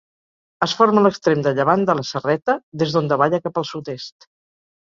Es forma a l'extrem de llevant de la Serreta, des d'on davalla cap al sud-est.